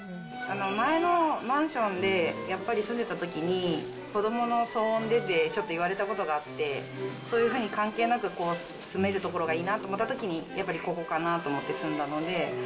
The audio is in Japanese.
前のマンションで、やっぱり住んでたときに、子どもの騒音でちょっと言われたことがあって、そういうふうに関係なく住める所がいいなと思ったときに、やっぱりここかなと思って住んだので。